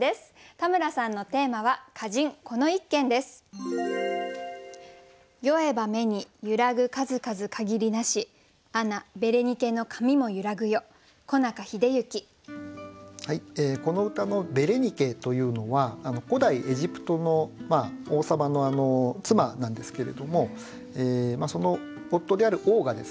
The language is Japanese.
田村さんのテーマはこの歌の「ベレニケ」というのは古代エジプトの王様の妻なんですけれどもその夫である王がですね